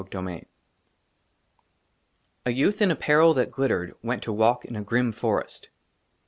27 XXVII A YOUTH IN APPAREL THAT GLITTERED WENT TO WALK IN A GRIM FOREST.